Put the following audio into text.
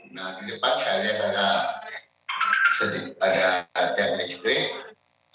nah di depan saya lihat ada sedikit ada jet legstrik